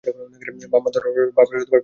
বাম হাত আর পা প্যারালাইজড হয়ে গেছে।